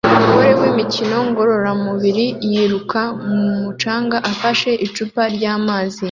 Umugore wimikino ngororamubiri yiruka ku mucanga afashe icupa ryamazi